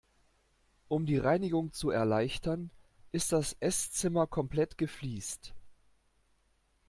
Um die Reinigung zu erleichtern, ist das Esszimmer komplett gefliest.